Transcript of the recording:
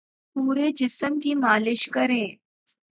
پورے جسم کی مالش کریں